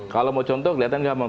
kalau mau contoh dilihatnya gampang